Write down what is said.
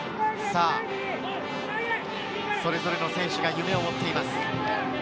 それぞれの選手が夢を持っています。